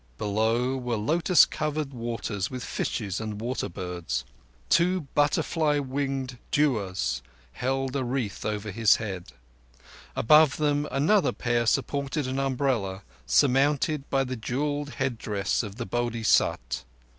Below were lotus covered waters with fishes and water birds. Two butterfly winged devas held a wreath over His head; above them another pair supported an umbrella surmounted by the jewelled headdress of the Bodhisat.